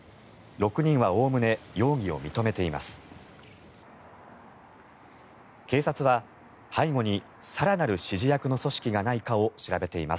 ６人はおおむね容疑を認めています。